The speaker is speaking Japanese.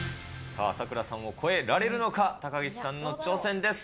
さあ、咲楽さんを超えられるのか、高岸さんの挑戦です。